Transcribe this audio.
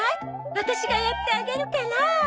ワタシがやってあげるから。